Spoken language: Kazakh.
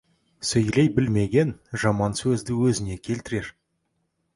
Сөйлей білмеген жаман сөзді өзіне келтірер.